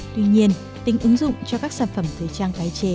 tuy nhiên tính ứng dụng cho các sản phẩm thời trang